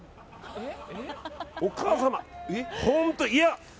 お母様、本当？